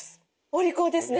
お利口ですね。